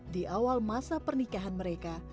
di awal masa pernikahan mereka